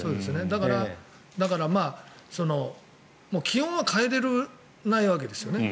だから気温は変えられないわけですよね。